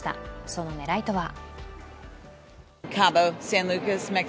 その狙いとは。